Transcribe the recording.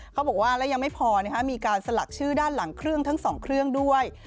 เขาบอกว่าแล้วยังไม่พอมีการสลักชื่อด้านหลังเครื่องทั้ง๒เครื่องด้วย